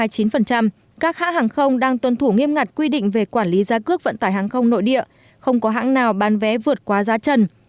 các hãng hàng không đang tuân thủ nghiêm ngặt quy định về quản lý giá cước vận tải hàng không nội địa không có hãng nào bán vé vượt quá giá trần